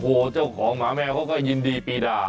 โอ้โหเจ้าของหมาแมวเขาก็ยินดีปีดา